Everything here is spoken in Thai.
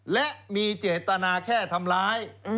และมีเจตนาแค่ทำร้าย